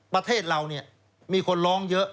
ประเทศเราเนี่ยมีคนร้องเยอะ